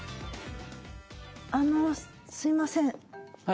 あの、すいません。